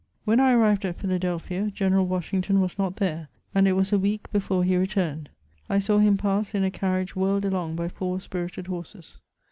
When I arrived at Philadelphia, General Washington was not there, and it was a week before he returned. I saw him pass in a carriage whirled along by four spirited horses.